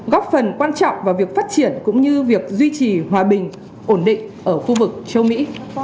góp phần quan trọng vào việc phát triển cũng như việc duy trì hòa bình ổn định ở khu vực châu mỹ